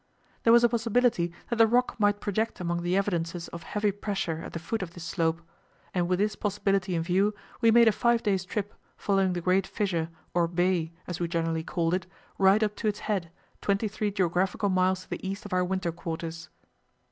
There was a possibility that the rock might project among the evidences of heavy pressure at the foot of this slope; and with this possibility in view we made a five days' trip, following the great fissure, or "bay," as we generally called it, right up to its head, twenty three geographical miles to the east of our winter quarters.